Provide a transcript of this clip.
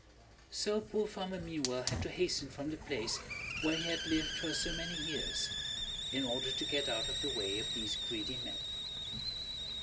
So poor Farmer Meanwell had to hasten from the place where he had lived for so many years, in order to get out of the way of these greedy men.